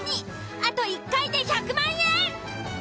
あと１回で１００万円！